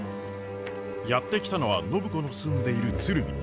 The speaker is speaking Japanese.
やって来たのは暢子の住んでいる鶴見。